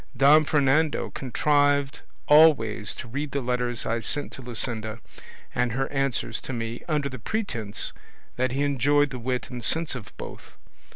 Don Fernando contrived always to read the letters I sent to Luscinda and her answers to me, under the pretence that he enjoyed the wit and sense of both.